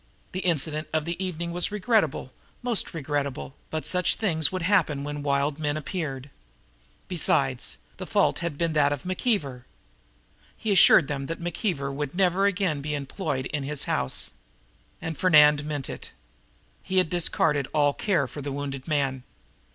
The incident of the evening was regrettable, most regrettable, but such things would happen when wild men appeared. Besides, the fault had been that of McKeever. He assured them that McKeever would never again be employed in his house. And Fernand meant it. He had discarded all care for the wounded man.